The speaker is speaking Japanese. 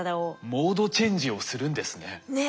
モードチェンジをするんですね。ね。